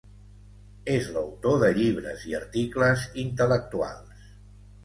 És l'autor de llibres i articles intel·lectuals.